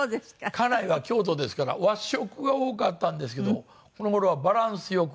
家内は京都ですから和食が多かったんですけどこの頃はバランス良く。